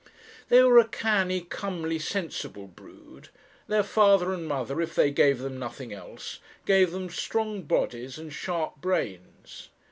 They were a cannie, comely, sensible brood. Their father and mother, if they gave them nothing else, gave them strong bodies and sharp brains.